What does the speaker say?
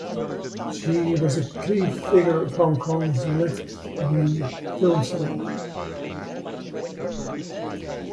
She was a key figure of Hong Kong's Left Wing film scene.